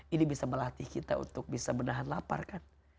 ini bisa melatih kita untuk bisa menahan lapar kan